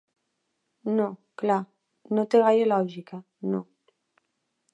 No, clar, no té gaire lògica, no.